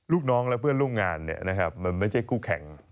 รูปน้องและเพื่อนโรงงานไม่ใช่กู้แข่ง